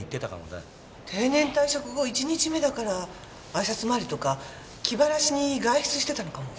定年退職後１日目だからあいさつ回りとか気晴らしに外出してたのかも。